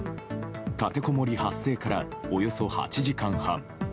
立てこもり発生からおよそ８時間半。